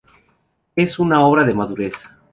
Es una obra de madurez.